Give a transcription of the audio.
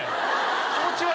気持ち悪いです。